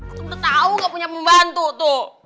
aku udah tau gak punya pembantu tuh